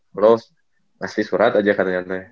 terus ngasih surat aja katanya